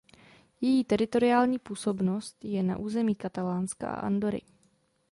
Její teritoriální působnost je na území Katalánska a Andorry.